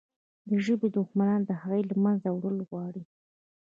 د ژبې دښمنان د هغې له منځه وړل غواړي.